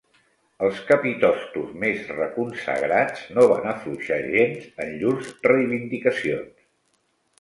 Els capitostos més reconsagrats no van afluixar gens en llurs reivindicacions.